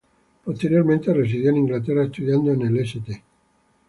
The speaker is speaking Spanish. Posteriormente residió en Inglaterra estudiando en el St.